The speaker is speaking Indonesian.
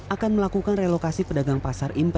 akan melakukan relokasi pedagang pasar implika